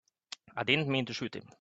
I didn't mean to shoot him.